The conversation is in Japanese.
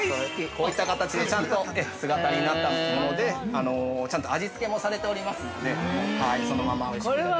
◆こういった形で、ちゃんと姿煮になったもので、ちゃんと味付けもされておりますのでそのままおいしくいただけますね。